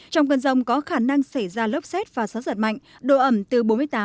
trong cơn rông có khả năng xảy ra lốc xét và gió giật mạnh độ ẩm từ bốn mươi tám chín mươi ba